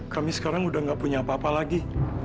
kami sekarang sudah tidak punya apa apa lagi